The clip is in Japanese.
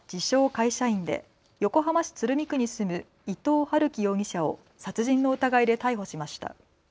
会社員で横浜市鶴見区に住む伊藤龍稀容疑者を殺人の疑いで逮捕しました。